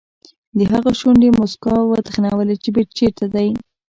د هغه شونډې موسکا وتخنولې چې چېرته دی.